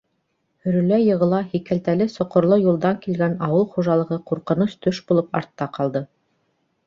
Һөрөлә-йығыла һикәлтәле-соҡорло юлдан килгән ауыл хужалығы ҡурҡыныс төш булып артта ҡалды.